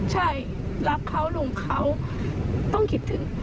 ใช่รักเขาลุงเขาต้องคิดถึง